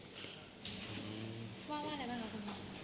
ว่าอะไรบ้างครับคุณฮะ